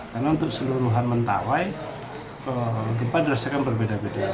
karena untuk seluruhan mentawai gempa dirasakan berbeda beda